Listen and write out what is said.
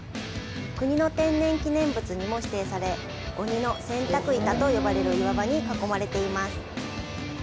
国の天然記念物にも指定され、「鬼の洗濯板」と呼ばれる岩場に囲まれています。